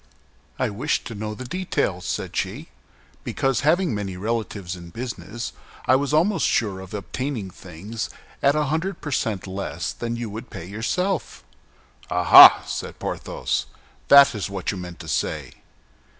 "I wished to know the detail," said she, "because, having many relatives in business, I was almost sure of obtaining things at a hundred per cent less than you would pay yourself." "Ah, ah!" said Porthos, "that is what you meant to say!"